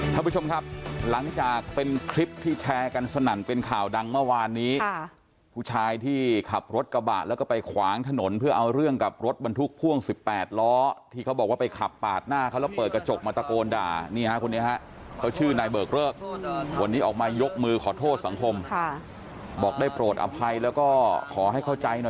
ท่านผู้ชมครับหลังจากเป็นคลิปที่แชร์กันสนั่นเป็นข่าวดังเมื่อวานนี้ค่ะผู้ชายที่ขับรถกระบะแล้วก็ไปขวางถนนเพื่อเอาเรื่องกับรถบรรทุกพ่วง๑๘ล้อที่เขาบอกว่าไปขับปาดหน้าเขาแล้วเปิดกระจกมาตะโกนด่านี่ฮะคนนี้ฮะเขาชื่อนายเบิกเลิกวันนี้ออกมายกมือขอโทษสังคมค่ะบอกได้โปรดอภัยแล้วก็ขอให้เข้าใจหน่อย